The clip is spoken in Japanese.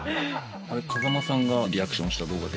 風間さんがリアクションした動画で。